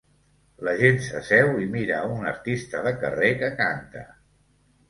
La gent s'asseu i mira a un artista de carrer que canta.